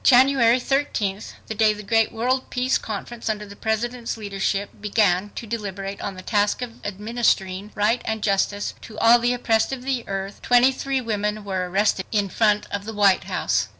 January thirteenth, the day the great world Peace Conference under the President's leadership, began to deliberate on the task of administering "right" and "justice" to all the oppressed of the earth, twenty three women were arrested in front of the White House.